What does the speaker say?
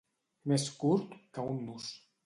Més curt que un nus.